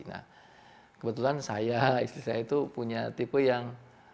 nah kebetulan saya istri saya itu punya tipe yang